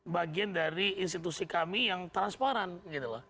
bagian dari institusi kami yang transparan gitu loh